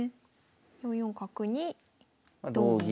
４四角に同銀。